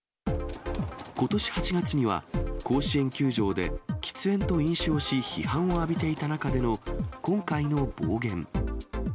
ことし８月には、甲子園球場で喫煙と飲酒をし、批判を浴びていた中での今回の暴言。